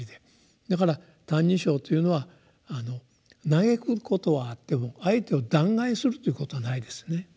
だから「歎異抄」というのは歎くことはあっても相手を弾劾するということはないですね。